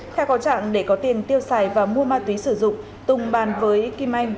theo có trạng để có tiền tiêu xài và mua ma túy sử dụng tùng bàn với kim anh